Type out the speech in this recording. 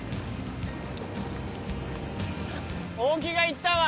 大木がいったわ。